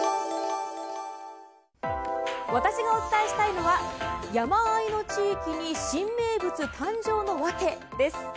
私がお伝えしたいのは山あいの地域に新名物誕生の訳です。